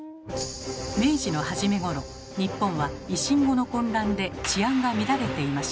明治の初めごろ日本は維新後の混乱で治安が乱れていました。